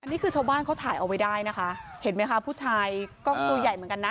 นี่คือชาวบ้านเขาถ่ายเอาไว้ได้นะคะเห็นไหมคะผู้ชายก็ตัวใหญ่เหมือนกันนะ